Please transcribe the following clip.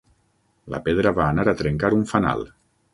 La pedra va anar a trencar un fanal.